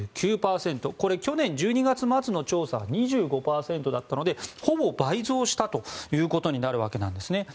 去年１２月末の調査は２５％だったのでほぼ倍増したということになるわけです。